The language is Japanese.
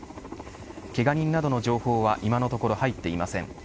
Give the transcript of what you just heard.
けが人などの情報は今のところ入っていません。